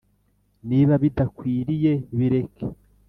niba bidakwiriye bireke